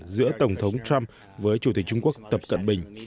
giữa tổng thống trump với chủ tịch trung quốc tập cận bình